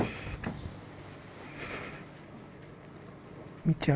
みっちゃん。